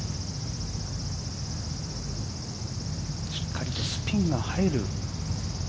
しっかりとスピンが入る。